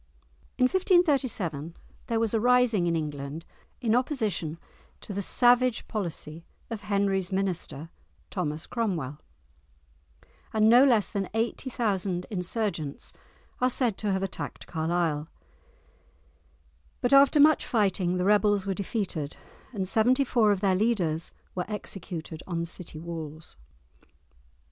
In 1537 there was a rising in England known as the "Pilgrimage of Grace," in opposition to the savage policy of Henry's minister, Thomas Cromwell, and no less than eighty thousand insurgents are said to have attacked Carlisle; but after much fighting the rebels were defeated and seventy four of their leaders were executed on the city walls.